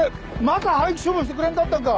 また廃棄処分してくれんかったんか。